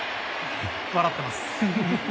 笑ってます。